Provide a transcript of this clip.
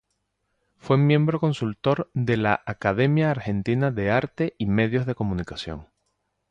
Fue miembro consultor de la "Academia Argentina de Arte y Medios de Comunicación".